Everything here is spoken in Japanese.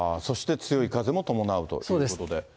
そして強い風も伴うということで。